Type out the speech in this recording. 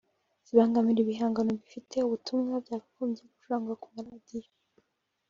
zibangamira ibihangano bifite ubutumwa byakagombye gucurangwa ku maradiyo